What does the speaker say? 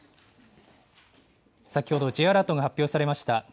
先ほどＪアラートが発表されました。